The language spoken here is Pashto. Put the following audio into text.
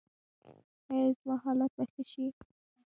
ایا زما حالت به ښه شي؟